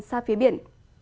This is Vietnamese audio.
xa phía biển